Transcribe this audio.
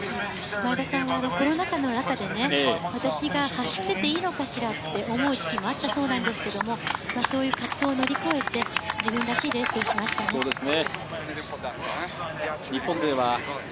前田さんはコロナ禍の中で私が走っていていいのかしらって思う時期もあったそうなんですけど、それを乗り越えて自分らしいレースをしましたね。